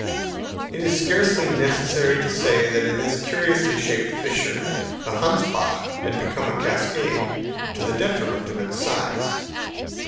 It is scarcely necessary to say that in this curiously shaped fissure the Hansbach had become a cascade to the detriment of its size.